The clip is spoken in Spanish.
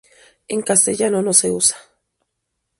En castellano no se usa.